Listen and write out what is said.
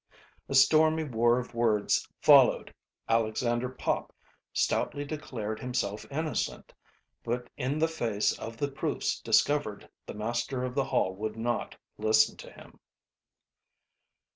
A stormy war of words followed. Alexander Pop stoutly declared himself innocent, but in the face of the proofs discovered the master of the Hall would not listen to him.